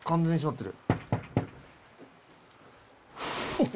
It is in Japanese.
おっ。